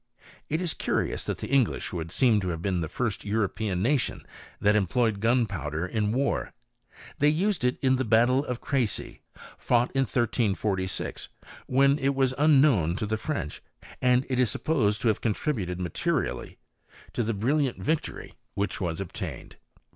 It is curious that the English would seem to have been the first European nation that em {^oyed gunpowder in war ; they used it in the battle of Crecy, fought in 1346, when it was unknown to the French, and it is supposed to have contributed m^^ terially to the hnUiant victory which was obtained.